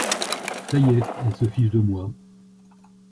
Ca y est ! elle se fiche de moi !